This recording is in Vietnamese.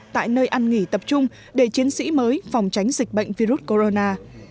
tại nơi ăn nghỉ tập trung để chiến sĩ mới phòng tránh dịch bệnh virus corona